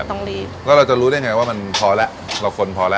ต้องรีบแล้วเราจะรู้ได้ไงว่ามันพอแล้วเราคนพอแล้ว